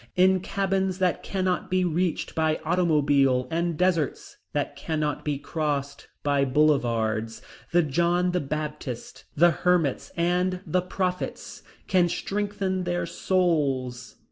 In cabins that cannot be reached by automobile and deserts that cannot be crossed by boulevards, the John the Baptists, the hermits and the prophets can strengthen their souls.